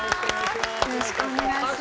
よろしくお願いします。